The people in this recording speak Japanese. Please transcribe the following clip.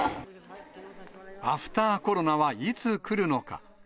アフターコロナはいつ来るのか。